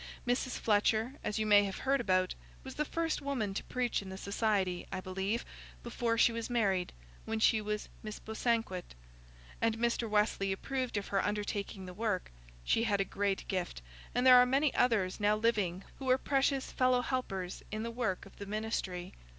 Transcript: Mrs. Fletcher, as you may have heard about, was the first woman to preach in the Society, I believe, before she was married, when she was Miss Bosanquet; and Mr. Wesley approved of her undertaking the work. She had a great gift, and there are many others now living who are precious fellow helpers in the work of the ministry.